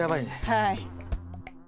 はい。